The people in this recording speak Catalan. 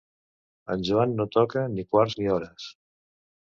En Joan no toca ni quarts ni hores.